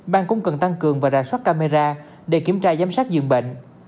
bang cũng cần tăng cường và rà soát camera để kiểm tra giám sát dường bệnh